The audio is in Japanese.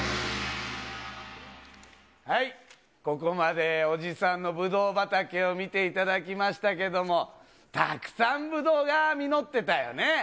はい、ここまでおじさんのブドウ畑を見ていただきましたけども、たくさんブドウが実ってたよね。